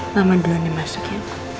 mama duluan dimasukin